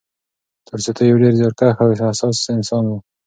تولستوی یو ډېر زیارکښ او حساس انسان و.